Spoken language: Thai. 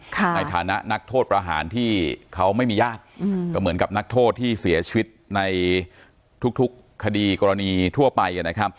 ในฐานะนักโทษประหารที่เขาไม่มีญาติก็เหมือนกับนักโทษที่เสียชีวิตในทุกคดีกรณีทั่วไปนะครับ